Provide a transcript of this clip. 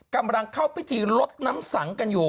กำลังเข้าพิธีลดน้ำสังกันอยู่